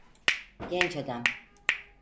Genç adam.